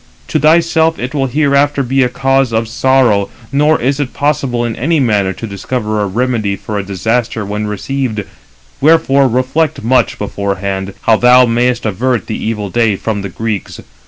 To thyself it will hereafter be a cause of sorrow, nor is it possible in any manner to discover a remedy for a disaster when received; wherefore reflect much beforehand, how thou mayest avert the evil day from the Greeks.